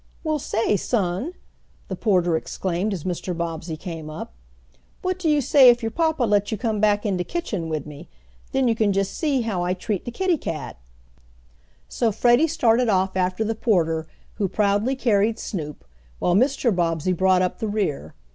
"Well, say, son!" the porter exclaimed as Mr. Bobbsey came up. "What do you say if you papa let you come back in de kitchen wid me? Den you can jest see how I treat de kitty cat!" So Freddie started off after the porter, who proudly carried Snoop, while Mr. Bobbsey brought up the rear.